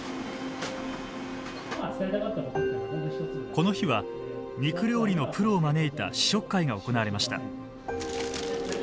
この日は肉料理のプロを招いた試食会が行われました。